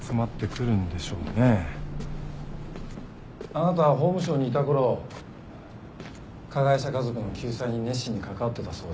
あなたは法務省にいたころ加害者家族の救済に熱心に関わってたそうですね。